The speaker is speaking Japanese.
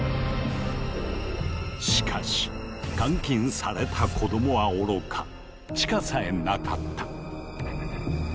しかし監禁された子どもはおろか地下さえなかった。